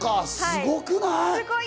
すごくない？